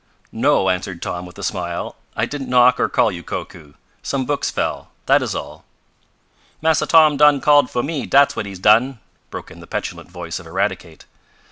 "No," answered Tom with a smile, "I didn't knock or call you, Koku. Some books fell, that is all." "Massa Tom done called fo' me, dat's what he done!" broke in the petulant voice of Eradicate.